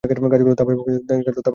গাছগুলো তাপ এবং খরা সহ্য করে।